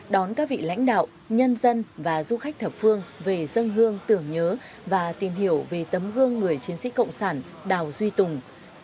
đón các vị lãnh đạo nhân dân và du khách thập phương về dân hương tưởng nhớ và tìm hiểu về tấm gương người chiến sĩ cộng sản đào duy tùng